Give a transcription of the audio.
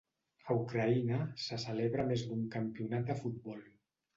A Ucraïna se celebra més d'un campionat de futbol.